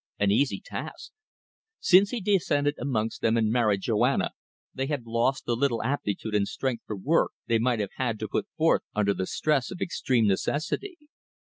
An easy task. Since he descended amongst them and married Joanna they had lost the little aptitude and strength for work they might have had to put forth under the stress of extreme necessity.